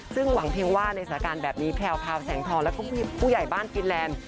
ซึ่งหวังเพียงว่าในสถานการณ์แบบนี้แพลวพาวแสงทองแล้วก็ผู้ใหญ่บ้านฟินแลนด์